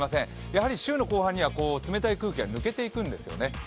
やはり週の後半には冷たい空気が抜けていくんですよね。